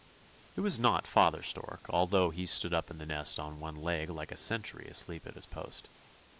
It was not father stork, although he stood up in the nest on one leg like a sentry asleep at his post.